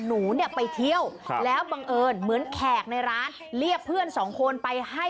หนูเนี่ยไปเที่ยวแล้วบังเอิญเหมือนแขกในร้านเรียกเพื่อนสองคนไปให้